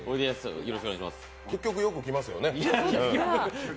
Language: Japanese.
結局よく来ますよね。